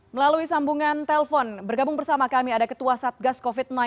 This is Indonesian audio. melalui sambungan telpon bergabung bersama kami ada ketua satgas covid sembilan belas